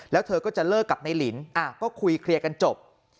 แล้วเธอก็จะเลิกกับนายลินก็คุยเคลียร์กันจบ